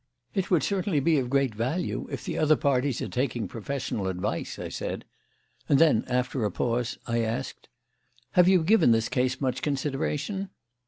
"It would certainly be of great value if the other parties are taking professional advice," I said; and then, after a pause, I asked: "Have you given this case much consideration?"